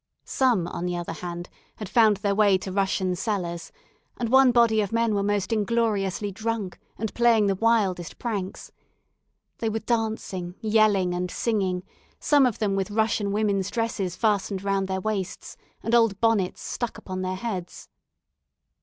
Some, on the other hand, had found their way to Russian cellars; and one body of men were most ingloriously drunk, and playing the wildest pranks. They were dancing, yelling, and singing some of them with Russian women's dresses fastened round their waists, and old bonnets stuck upon their heads.